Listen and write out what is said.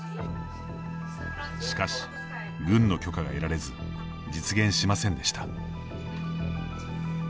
しかし、軍の許可が得られず実現しませんでした。